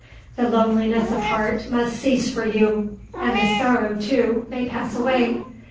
The loneliness of heart must cease for you. And the sorrow, too, may pass away.